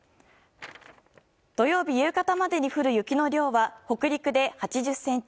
土曜日夕方までに降る雪の量は北陸で８０ｃｍ